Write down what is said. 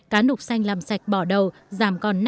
cá nục xanh làm sạch bỏ đầu giảm còn năm mươi